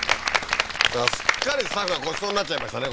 すっかりスタッフがごちそうになっちゃいましたね